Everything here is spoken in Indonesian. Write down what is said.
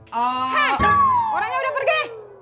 hah orangnya udah pergi